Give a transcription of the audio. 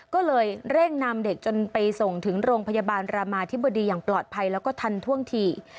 ก็เลยเร่งนำเด็กจนไปส่งถึงโรงพยาบาลรามาธิบดีอย่างปลอดภัยแล้วก็ทันท่วงที